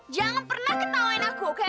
jangan pernah ketawain aku oke